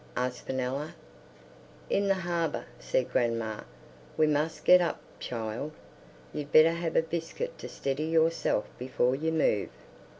asked Fenella. "In the harbour," said grandma. "We must get up, child. You'd better have a biscuit to steady yourself before you move."